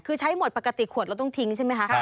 คือใช้หมดปกติขวดเราต้องทิ้งใช่ไหมคะ